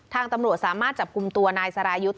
ทางตำรวจสามารถจับกลุ่มตัวนายสรายุทธ์